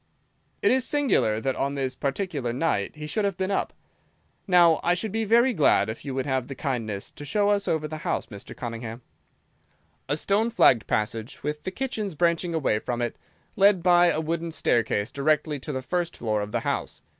"It is singular that on this particular night he should have been up. Now, I should be very glad if you would have the kindness to show us over the house, Mr. Cunningham." A stone flagged passage, with the kitchens branching away from it, led by a wooden staircase directly to the first floor of the house.